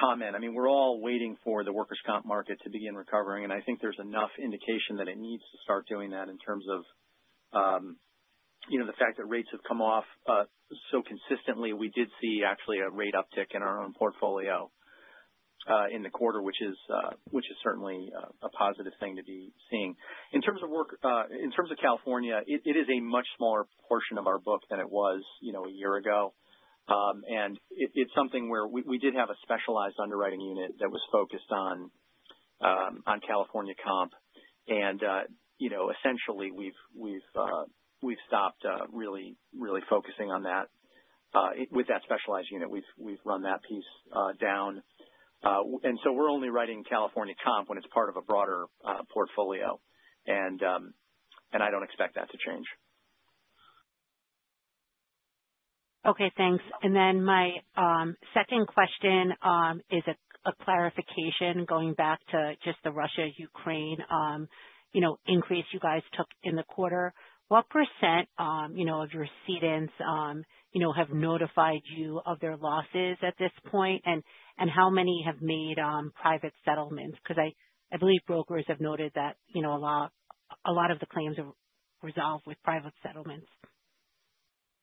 comment. I mean, we're all waiting for the workers' comp market to begin recovering, and I think there's enough indication that it needs to start doing that in terms of the fact that rates have come off so consistently. We did see, actually, a rate uptick in our own portfolio in the quarter, which is certainly a positive thing to be seeing. In terms of California, it is a much smaller portion of our book than it was a year ago. It's something where we did have a specialized underwriting unit that was focused on California comp. Essentially, we've stopped really focusing on that. With that specialized unit, we've run that piece down, so we're only writing California comp when it's part of a broader portfolio. I don't expect that to change. Okay. Thanks. My second question is a clarification going back to just the Russia-Ukraine increase you guys took in the quarter. What % of your recipients have notified you of their losses at this point, and how many have made private settlements? I believe brokers have noted that a lot of the claims are resolved with private settlements.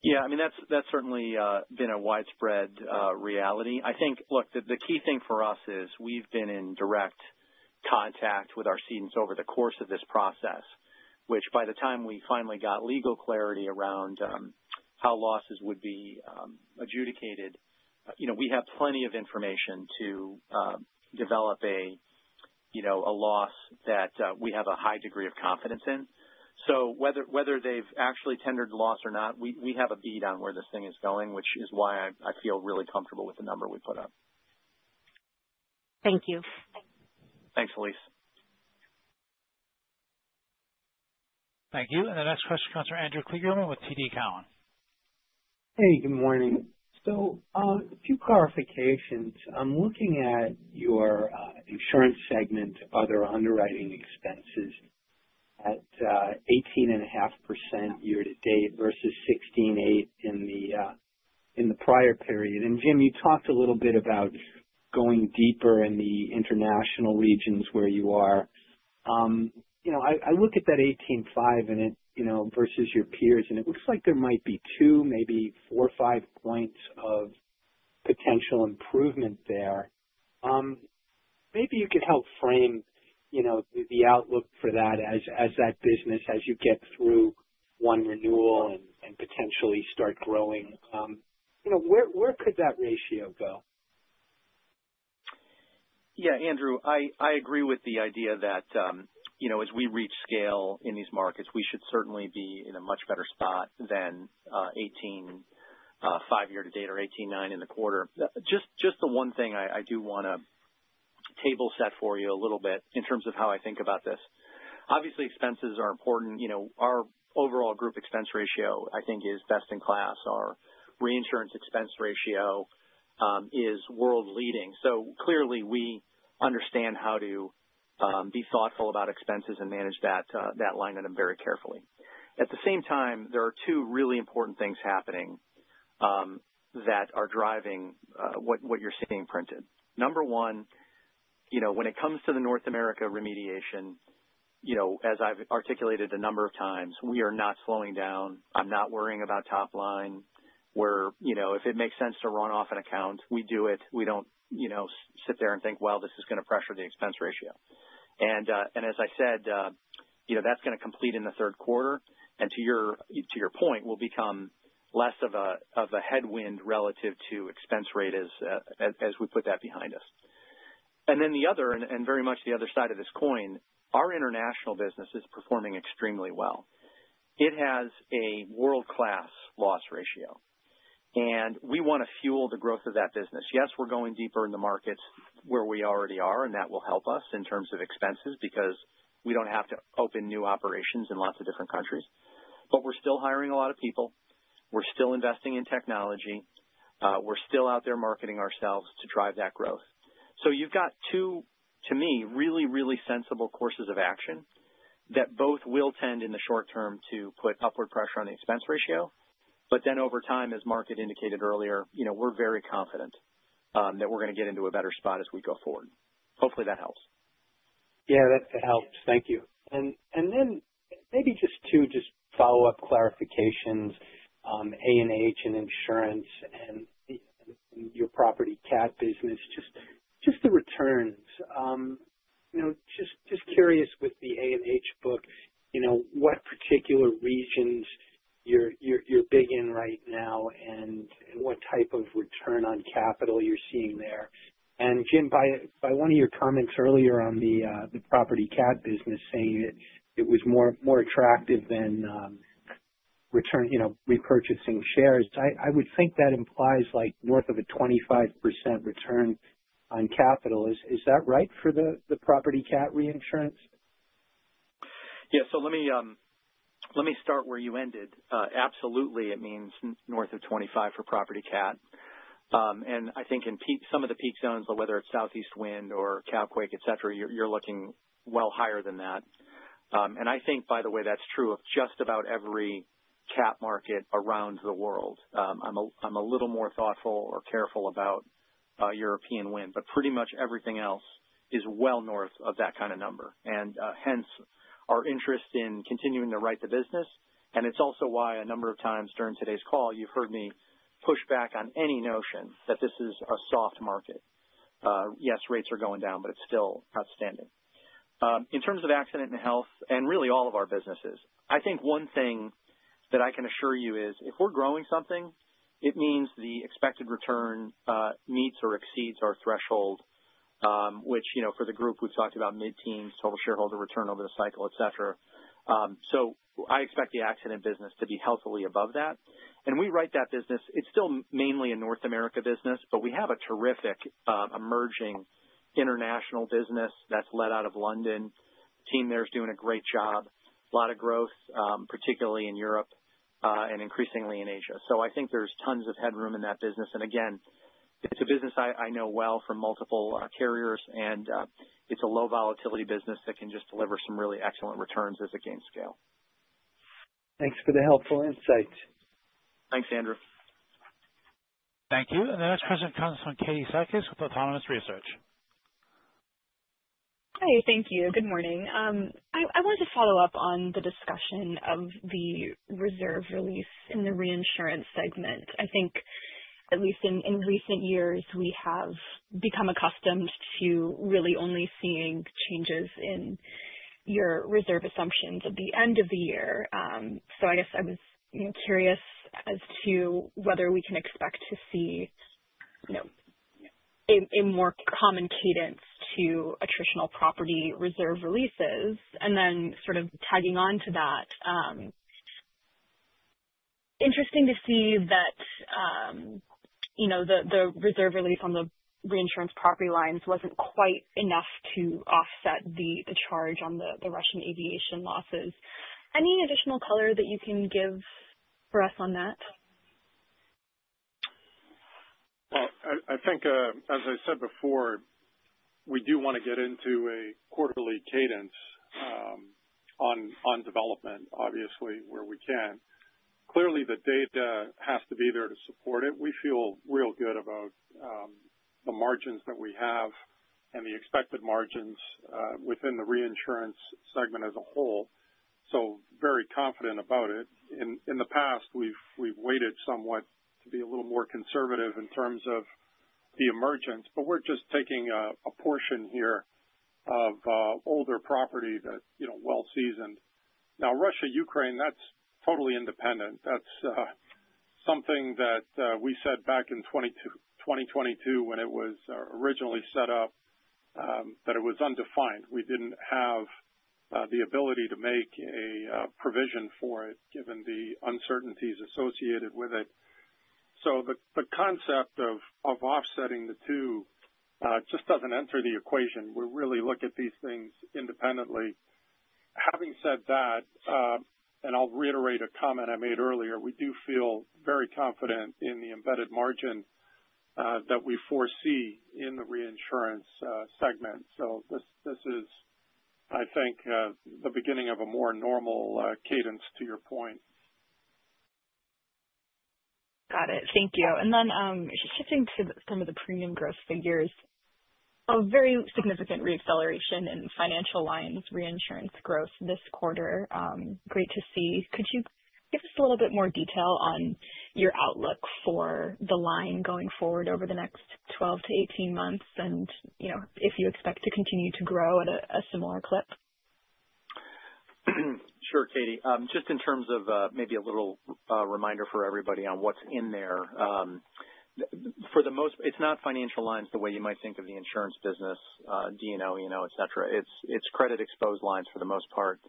Yeah. I mean, that's certainly been a widespread reality. I think the key thing for us is we've been in direct contact with our cedents over the course of this process. By the time we finally got legal clarity around how losses would be adjudicated, we had plenty of information to develop a loss that we have a high degree of confidence in. Whether they've actually tendered loss or not, we have a bead on where this thing is going, which is why I feel really comfortable with the number we put up. Thank you. Thanks, Elyse. Thank you. The next question comes from Andrew Kligerman with TD Cowen. Good morning. A few clarifications. I'm looking at your insurance segment, other underwriting expenses at 18.5% year to date versus 16.8% in the prior period. Jim, you talked a little bit about going deeper in the international regions where you are. I look at that 18.5% versus your peers, and it looks like there might be two, maybe four or five points of potential improvement there. Maybe you could help frame the outlook for that as that business, as you get through one renewal and potentially start growing. Where could that ratio go? Yeah, Andrew, I agree with the idea that as we reach scale in these markets, we should certainly be in a much better spot than 18.5% year to date or 18.9% in the quarter. Just the one thing I do want to table set for you a little bit in terms of how I think about this. Obviously, expenses are important. Our overall group expense ratio, I think, is best in class. Our reinsurance expense ratio is world-leading. Clearly, we understand how to be thoughtful about expenses and manage that line item very carefully. At the same time, there are two really important things happening that are driving what you're seeing printed. Number one, when it comes to the North America remediation, as I've articulated a number of times, we are not slowing down. I'm not worrying about top line. If it makes sense to run off an account, we do it. We don't sit there and think, "This is going to pressure the expense ratio." As I said, that's going to complete in the third quarter, and to your point, will become less of a headwind relative to expense rate as we put that behind us. The other, and very much the other side of this coin, our international business is performing extremely well. It has a world-class loss ratio, and we want to fuel the growth of that business. Yes, we're going deeper in the markets where we already are, and that will help us in terms of expenses because we don't have to open new operations in lots of different countries. We're still hiring a lot of people, we're still investing in technology, and we're still out there marketing ourselves to drive that growth. You've got two, to me, really, really sensible courses of action that both will tend in the short term to put upward pressure on the expense ratio. Over time, as Mark indicated earlier, we're very confident that we're going to get into a better spot as we go forward. Hopefully, that helps. Yeah, that helps. Thank you. Maybe just two follow-up clarifications. A&H and insurance, and your property CAT business, just the returns. Just curious with the A&H book, what particular regions you're big in right now and what type of return on capital you're seeing there? Jim, by one of your comments earlier on the property CAT business, saying it was more attractive than repurchasing shares, I would think that implies north of a 25% return on capital. Is that right for the property CAT reinsurance? Yeah. Let me start where you ended. Absolutely, it means north of 25% for property CAT. I think in some of the peak zones, whether it's Southeast Wind or CAT Quake, etc., you're looking well higher than that. By the way, that's true of just about every CAT market around the world. I'm a little more thoughtful or careful about European Wind, but pretty much everything else is well north of that kind of number. Hence, our interest in continuing to write the business. It's also why a number of times during today's call, you've heard me push back on any notion that this is a soft market. Yes, rates are going down, but it's still outstanding. In terms of accident and health, and really all of our businesses, I think one thing that I can assure you is if we're growing something, it means the expected return meets or exceeds our threshold, which for the group, we've talked about mid-teens, total shareholder return over the cycle, etc. I expect the accident business to be healthily above that. We write that business. It's still mainly a North America business, but we have a terrific emerging international business that's led out of London. The team there is doing a great job. A lot of growth, particularly in Europe and increasingly in Asia. I think there's tons of headroom in that business. Again, it's a business I know well from multiple carriers, and it's a low-volatility business that can just deliver some really excellent returns as it gains scale. Thanks for the helpful insight. Thanks, Andrew. Thank you. The next present comes from Katie Sakys with Autonomous Research. Hi. Thank you. Good morning. I wanted to follow up on the discussion of the reserve release in the reinsurance segment. I think, at least in recent years, we have become accustomed to really only seeing changes in your reserve assumptions at the end of the year. I was curious as to whether we can expect to see a more common cadence to attritional property reserve releases. Interesting to see that the reserve release on the reinsurance property lines wasn't quite enough to offset the charge on the Russian aviation losses. Any additional color that you can give for us on that? I think, as I said before, we do want to get into a quarterly cadence. On development, obviously, where we can. Clearly, the data has to be there to support it. We feel real good about the margins that we have and the expected margins within the reinsurance segment as a whole. Very confident about it. In the past, we've waited somewhat to be a little more conservative in terms of the emergence, but we're just taking a portion here of older property that's well-seasoned. Now, Russia-Ukraine, that's totally independent. That's something that we said back in 2022 when it was originally set up, that it was undefined. We didn't have the ability to make a provision for it given the uncertainties associated with it. The concept of offsetting the two just doesn't enter the equation. We really look at these things independently. Having said that, I'll reiterate a comment I made earlier, we do feel very confident in the embedded margin that we foresee in the reinsurance segment. This is, I think, the beginning of a more normal cadence to your point. Got it. Thank you. Just shifting to some of the premium growth figures, a very significant reacceleration in financial lines reinsurance growth this quarter. Great to see. Could you give us a little bit more detail on your outlook for the line going forward over the next 12 to 18 months and if you expect to continue to grow at a similar clip? Sure, Katie. Just in terms of maybe a little reminder for everybody on what's in there. For the most part, it's not financial lines the way you might think of the insurance business, D&O, etc. It's credit exposed lines for the most part.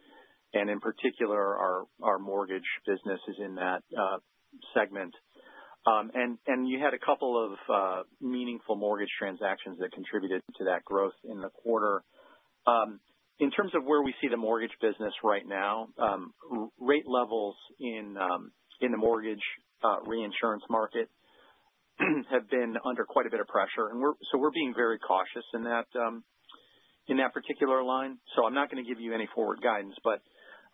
In particular, our mortgage business is in that segment, and you had a couple of meaningful mortgage transactions that contributed to that growth in the quarter. In terms of where we see the mortgage business right now, rate levels in the mortgage reinsurance market have been under quite a bit of pressure, and we're being very cautious in that particular line. I'm not going to give you any forward guidance, but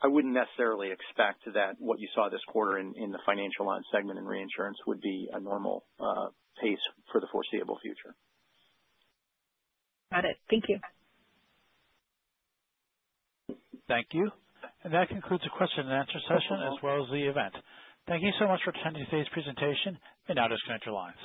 I wouldn't necessarily expect that what you saw this quarter in the financial line segment and reinsurance would be a normal pace for the foreseeable future. Got it. Thank you. Thank you. That concludes the question and answer session as well as the event. Thank you so much for attending today's presentation. I am now going to draw lines.